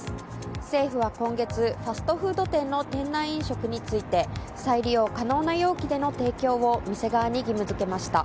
政府は今月、ファストフード店の店内飲食について再利用可能な容器での提供を店側に義務付けました。